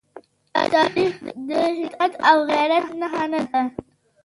تاریخ د همت او غیرت نښان دی.